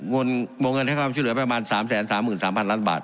โมงเงินให้ความช่วยเหลือประมาณสามแสนสามหมื่นสามพันล้านบาท